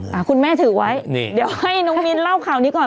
อ่าคุณแม่ถือไว้นี่เดี๋ยวให้น้องมิ้นเล่าข่าวนี้ก่อน